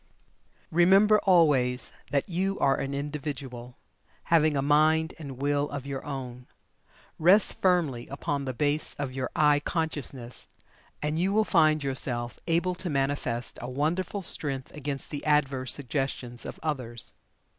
Remember always that YOU are an Individual, having a mind and Will of your own. Rest firmly upon the base of your "I" consciousness, and you will find yourself able to manifest a wonderful strength against the adverse suggestions of others.